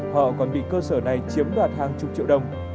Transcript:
họ còn bị cơ sở này chiếm đoạt hàng chục triệu đồng